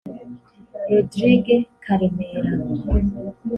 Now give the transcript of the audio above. Rodrgue Karemera